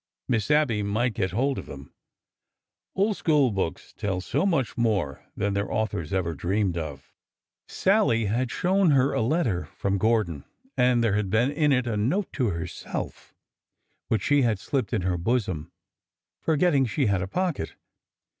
Miss Abby might get hold of them. Old school books tell so much more than their authors ever dreamed of. 79 8o ORDER NO. 11 Sallie had shown her a letter from Gordon, and there had been in it a note to herself which she had slipped in her bosom, forgetting she had a pocket.